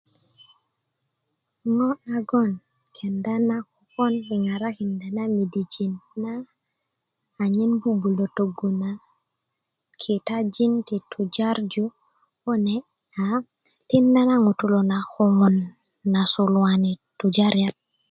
ŋo nagon kenda na ko kon i ŋarakinda na midijin na a nyen 'bu'bulö tögu na kitajin ti tujarju kune a tinda na ŋutulu na köŋön na suluwani tujariat